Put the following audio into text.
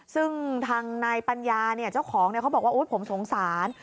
ซึ่งทางนายปัญญาเจ้าของเขาบอกว่าผมสงสาร